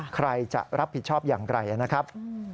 ใครจะรับผิดชอบอย่างไรนะครับ